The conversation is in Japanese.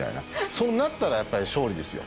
そうなったらやっぱり勝利ですよ。